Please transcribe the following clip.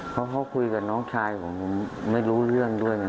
เพราะเขาคุยกับน้องชายผมผมไม่รู้เรื่องด้วยนะ